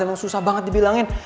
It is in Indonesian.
emang susah banget dibilangin